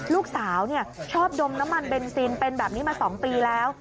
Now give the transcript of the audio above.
ลูกสาวชอบดมน้ำมันเบนซินเป็นแบบนี้มา๒ปีแล้ว